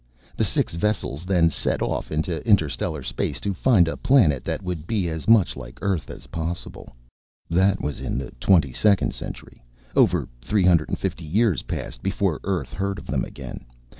The six vessels then set off into interstellar space to find a planet that would be as much like Earth as possible._ _That was in the 22nd Century. Over three hundred and fifty years passed before Earth heard of them again.